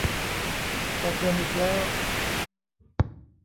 แจกเงินอีกแล้ว